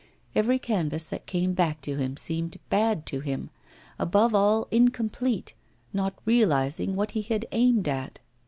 Every canvas that came back to him seemed bad to him above all incomplete, not realising what he had aimed at.